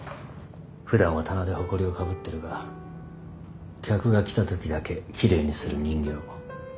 普段は棚でほこりをかぶってるが客が来たときだけ奇麗にする人形。